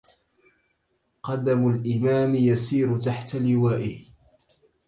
قدم الإمام يسير تحت لوائه